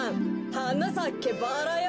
「はなさけバラよ」